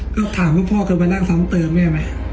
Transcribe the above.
ก็ถามพ่อเกิดมานั่งซ้ำเติบแม่แม่